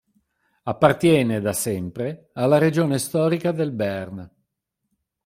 Appartiene, da sempre, alla regione storica del Béarn.